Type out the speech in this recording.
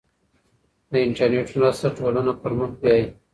د انټرنیټ مرسته ټولنه پرمخ بیايي.